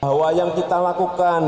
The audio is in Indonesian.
bahwa yang kita lakukan